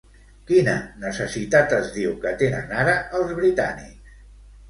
Quina necessitat es diu que tenen ara els britànics?